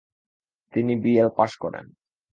তিনি B L pass করেন।